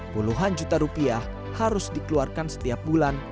puluhan juta rupiah harus dikeluarkan setiap bulan